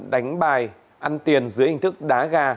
đánh bài ăn tiền dưới hình thức đá gà